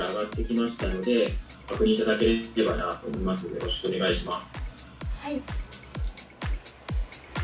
よろしくお願いします。